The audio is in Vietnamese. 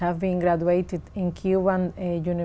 và đó rất quan trọng